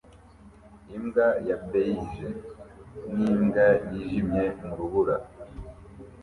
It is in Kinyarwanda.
Imbwa ya beige n'imbwa yijimye mu rubura